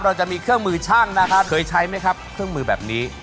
เราจะมีเครื่องมือช่างนะครับเคยใช้ไหมครับเครื่องมือแบบนี้